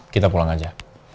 kita pulang aja